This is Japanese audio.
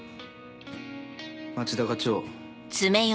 町田課長。